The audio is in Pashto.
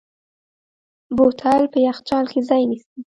بوتل په یخچال کې ځای نیسي.